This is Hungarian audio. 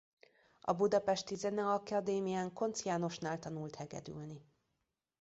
A budapesti Zeneakadémián Koncz Jánosnál tanult hegedülni.